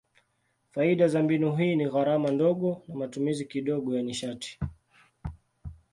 Faida za mbinu hii ni gharama ndogo na matumizi kidogo ya nishati.